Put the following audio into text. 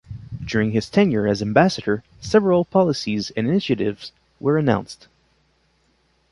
During his tenure as Ambassador, several policies and initiatives were announced.